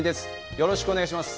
よろしくお願いします。